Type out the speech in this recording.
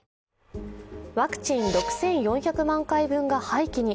ワクチン６４００万回分が廃棄に。